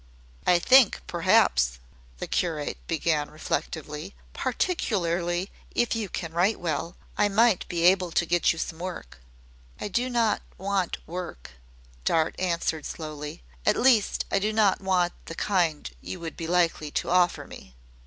"I think, perhaps," the curate began reflectively, "particularly if you can write well, I might be able to get you some work." "I do not want work," Dart answered slowly. "At least I do not want the kind you would be likely to offer me."